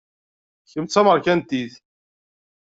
Kemm d tameṛkantit.